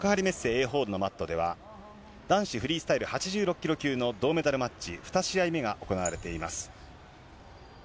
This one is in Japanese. Ａホールのマットでは、男子フリースタイル８６キロ級の銅メダルマッチ、２試合目が行われています。